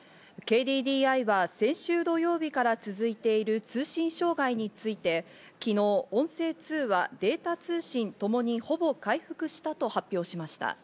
ＫＤＤＩは、先週土曜日から続いている通信障害について昨日、音声通話、データ通信ともにほぼ回復したと発表しました。